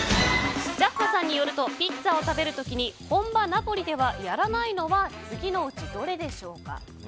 ジャッファさんによるとピッツァを食べる時に本場ナポリではやらないのは次のうちどれでしょうか？